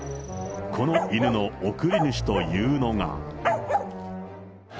この犬の贈り主というのが。